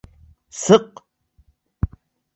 — Сыҡҡы...